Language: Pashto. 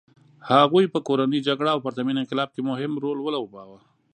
هغوی په کورنۍ جګړه او پرتمین انقلاب کې مهم رول ولوباوه.